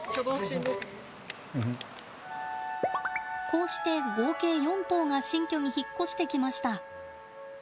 こうして合計４頭が新居に引っ越してきました。